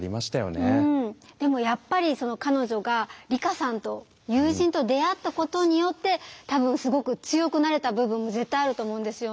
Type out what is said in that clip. でもやっぱり彼女が利華さんと友人と出会ったことによって多分すごく強くなれた部分が絶対あると思うんですよね。